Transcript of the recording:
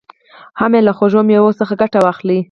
هم یې له خوږو مېوو څخه ګټه واخلي.